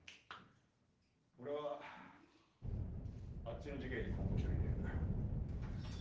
俺はあっちの事件に本腰を入れる。